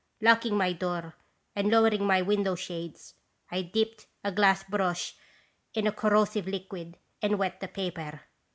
Lock ing my door and lowering my window shades, I dipped a glass brush in a corrosive liquid and wet the paper.